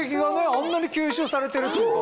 あんなに吸収されてるっていうか。